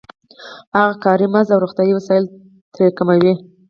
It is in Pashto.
هغه کاري مزد او روغتیايي وسایل ترې کموي